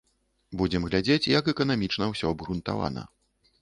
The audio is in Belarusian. Будзем глядзець, як эканамічна ўсё абгрунтавана.